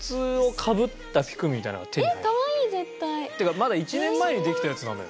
っていうかまだ１年前にできたやつなのよ。